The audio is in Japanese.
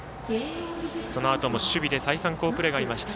そのあとも守備で、再三好プレーがありました。